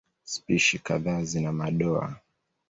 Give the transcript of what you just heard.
Spishi kadhaa zina madoa.